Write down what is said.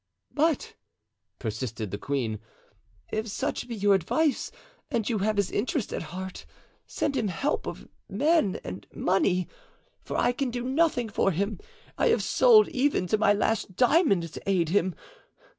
"But," persisted the queen, "if such be your advice and you have his interest at heart, send him help of men and money, for I can do nothing for him; I have sold even to my last diamond to aid him.